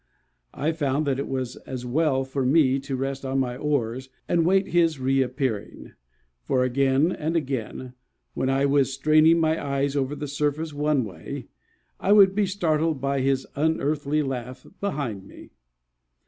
I found that it was as well for me to rest on my oars and wait his reappearing; for again and again, when I was straining my eyes over the surface one way, I would be startled by his unearthly laugh behind me.